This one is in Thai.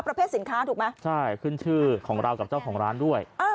สินค้าถูกไหมใช่ขึ้นชื่อของเรากับเจ้าของร้านด้วย